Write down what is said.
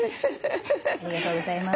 ありがとうございます。